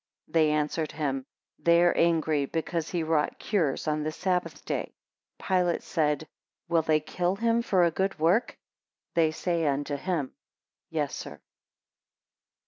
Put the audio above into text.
17 They answered him, They are angry because he wrought cures on the sabbath day. Pilate said, Will they kill him for a good work? They say unto him, Yes, Sir.